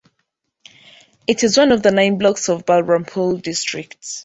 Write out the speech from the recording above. It is one of the nine blocks of Balrampur district.